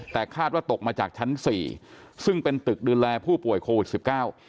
แต่คาดว่าตกมาจากชั้นสี่ซึ่งเป็นตึกดูแลผู้ป่วยโควิดสิบเก้า